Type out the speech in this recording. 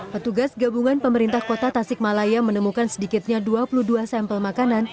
petugas gabungan pemerintah kota tasikmalaya menemukan sedikitnya dua puluh dua sampel makanan